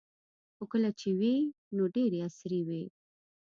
خو کله چې وې نو ډیرې عصري وې